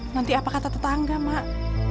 nanti apa kata tetangga mak